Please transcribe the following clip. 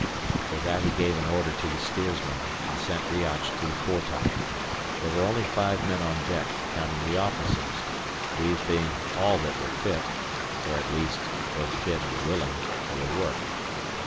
With that he gave an order to the steersman, and sent Riach to the foretop. There were only five men on deck, counting the officers; these being all that were fit (or, at least, both fit and willing) for their work.